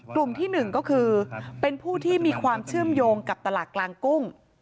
กลุ่มที่๑ก็คือเป็นผู้ที่มีความเชื่อมโยงกับตลาดกลางกุ้ง